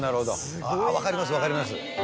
分かります分かります。